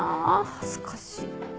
恥ずかしい。